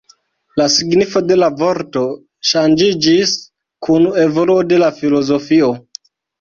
La signifo de la vorto ŝanĝiĝis kun evoluo de la filozofio.